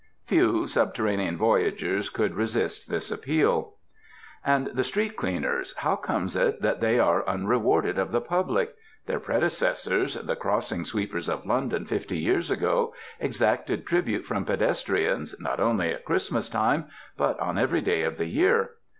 Few subterranean voyagers could resist this appeal. And the street cleaners, how comes it that they are unrewarded of the public? Their predecessors, the crossing sweepers of London fifty years ago, exacted tribute from pedestrians not only at Christ mas time, but on every day of the year.